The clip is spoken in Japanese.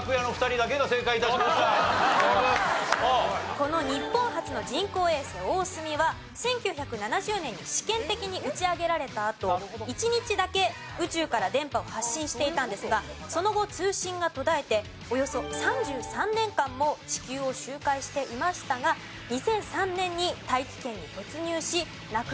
この日本初の人工衛星「おおすみ」は１９７０年に試験的に打ち上げられたあと１日だけ宇宙から電波を発信していたんですがその後通信が途絶えておよそ３３年間も地球を周回していましたが２００３年に大気圏に突入しなくなったという事です。